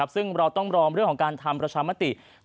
ซึ่งเราต้องรอเรื่องของการทำประชามติ